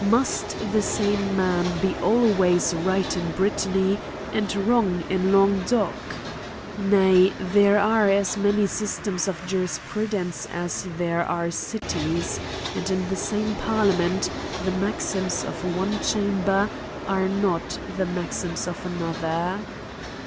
must the same man be always right in Britanny and wrong in Languedoc P nay; there are as many systems of Jusprudence as there are cities ; and in the same parliament the maxims of pne chamber are not the maxims of another.